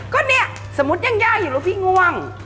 ก็เนี่ยสมมุติยังยากอยู่แล้วพี่ง่วง